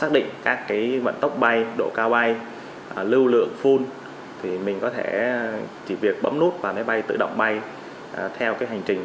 độ cao bay lưu lượng phun thì mình có thể chỉ việc bấm nút và máy bay tự động bay theo hành trình